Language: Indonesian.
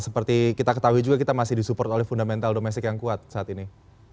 seperti kita ketahui juga kita masih disupport oleh fundamental domestik yang kuat saat ini